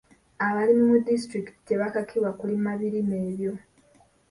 Abalimi mu disitulikiti tebakakibwa kulima birime ebyo.